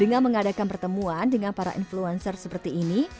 dengan mengadakan pertemuan dengan para influencer seperti ini